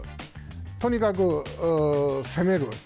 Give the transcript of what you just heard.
とにかく攻める。